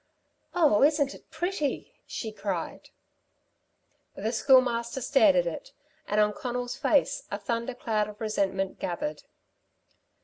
"Oh, isn't it pretty!" she cried. The Schoolmaster stared at it, and on Conal's face a thunder cloud of resentment gathered.